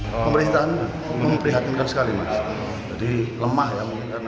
pemberhentian memperhatikan sekali mas jadi lemah ya mungkin karena